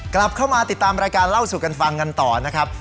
กลับเข้ามาติดตามรายการเล่าสู่กันฟังกันต่อนะครับ